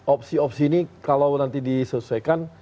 opsi opsi ini kalau nanti disesuaikan